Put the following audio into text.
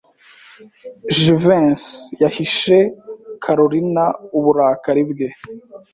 Jivency yahishe Kalorina uburakari bwe.